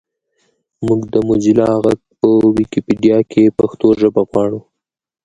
مونږ د موزیلا غږ په ویکیپېډیا کې پښتو ژبه غواړو